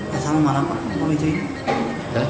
kasahnya mana pak